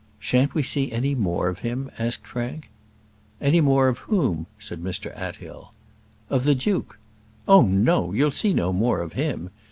"Shan't we see any more of him?" asked Frank. "Any more of whom?" said Mr Athill. "Of the duke?" "Oh, no; you'll see no more of him.